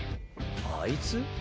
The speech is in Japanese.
「あいつ」？